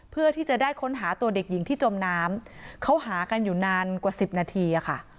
เพื่อที่จะได้ค้นหาตัวเด็กหญิงที่จมน้ำเขาหากันอยู่นานกว่าสิบนาทีอะค่ะ